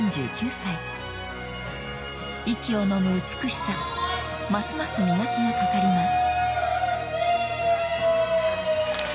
［息をのむ美しさますます磨きがかかります］